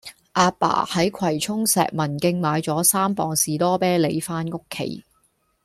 亞爸喺葵涌石文徑買左三磅士多啤梨返屋企